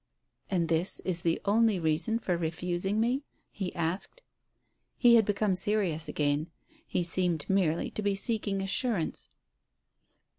"And this is the only reason for refusing me?" he asked. He had become serious again; he seemed merely to be seeking assurance.